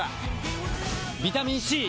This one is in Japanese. ビタミン Ｃ！